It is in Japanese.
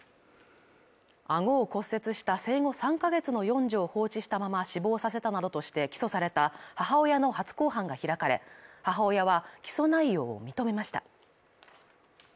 顎を骨折した生後３か月の四女を放置したまま死亡させたなどとして起訴された母親の初公判が開かれ母親は起訴内容を認めました